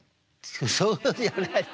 「そうじゃない。